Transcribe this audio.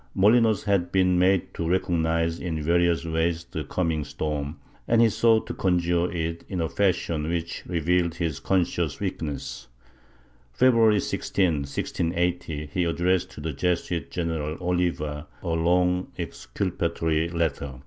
Molinos had been made to recognize in various ways the coming storm, and he sought to conjure it in a fashion which revealed his con scious weakness, February 16, 1680, he addressed to the Jesuit General Oliva a long exculpatory letter.